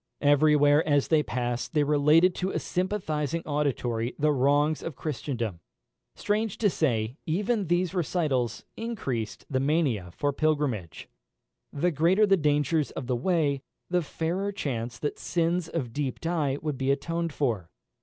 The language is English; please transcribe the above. Every where as they passed they related to a sympathising auditory the wrongs of Christendom. Strange to say, even these recitals increased the mania for pilgrimage. The greater the dangers of the way, the fairer chance that sins of deep dye would be atoned for.